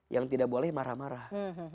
yang tidak boleh marah marah